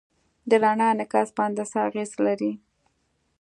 د رڼا انعکاس په هندسه اغېز لري.